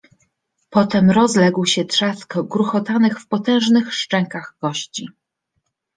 Potem rozległ się trzask gruchotanych w potężnych szczękach kości.